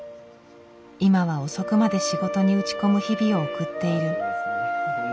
今は遅くまで仕事に打ち込む日々を送っている。